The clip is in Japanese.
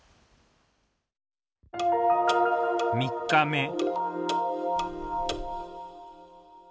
３日目